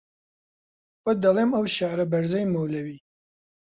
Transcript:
بۆت دەڵێم ئەو شێعرە بەرزەی مەولەوی